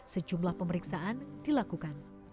sejumlah pemeriksaan dilakukan